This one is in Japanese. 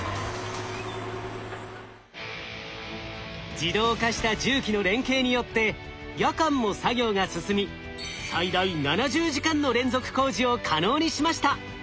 自動化した重機の連携によって夜間も作業が進み最大７０時間の連続工事を可能にしました。